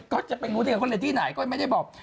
ก็จะเป็นที่ไหนก็ไม่ได้บอก